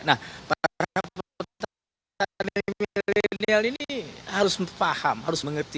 nah para petani milenial ini harus paham harus mengerti